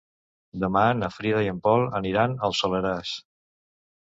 Demà na Frida i en Pol aniran al Soleràs.